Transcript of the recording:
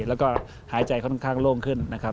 แล้วก็หายใจค่อนข้างโล่งขึ้นนะครับ